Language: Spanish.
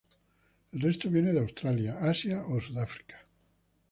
El resto viene de Australia, Asia o Sudáfrica.